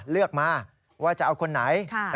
เลือกมาว่าจะเอาคนไหน